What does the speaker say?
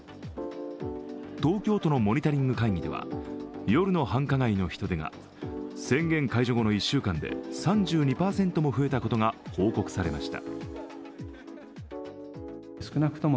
東京都のモニタリング会議では、夜の繁華街の人出が宣言解除後の１週間で３２％も増えたことが報告されました。